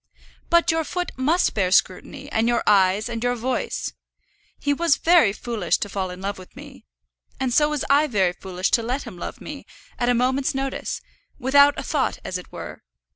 "But your foot must bear scrutiny, and your eyes, and your voice. He was very foolish to fall in love with me. And so was I very foolish to let him love me, at a moment's notice, without a thought as it were.